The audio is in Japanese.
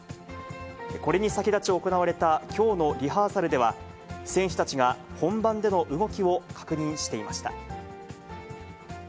これに先立ち行われたきょうのリハーサルでは、選手たちが本番での動きを確認していました。